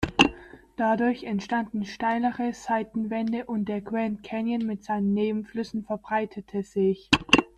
Dadurch entstanden steilere Seitenwände und der Grand Canyon mit seinen Nebenflüssen verbreiterte sich.